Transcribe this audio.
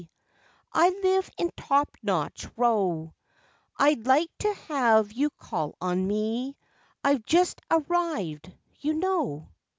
"I live in 'Top Notch' Row, I'd like to have you call on me, I've just 'arrived,' you know."